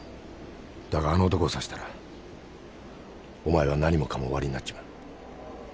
だがあの男を刺したらお前は何もかも終わりになっちまう。